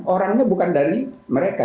orangnya bukan dari mereka